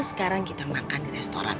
sekarang kita makan di restoran